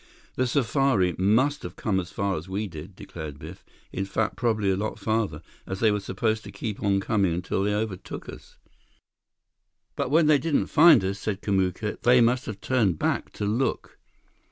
"The safari must have come as far as we did," declared Biff, "in fact probably a lot farther, as they were supposed to keep on coming until they overtook us." "But when they didn't find us," said Kamuka, "they must have turned back to look."